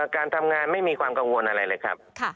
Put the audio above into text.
การทำงานไม่มีความกังวลอะไรเลยครับ